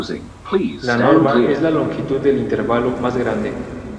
La "norma" es la longitud del intervalo más grande.